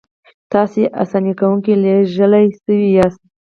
تاسې اساني کوونکي لېږل شوي یاستئ.